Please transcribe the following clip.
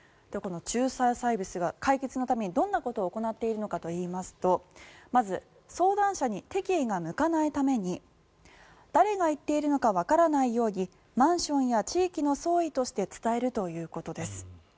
この仲裁サービスが解決のためにどんなことを行っているかといいますとまず、相談者に敵意が向かないために誰が言っているのかわからないようにマンションや地域の総意として伝えるということです。